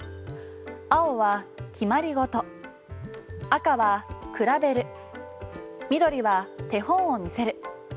青は、決まりごと赤は、比べる緑は、手本を見せる。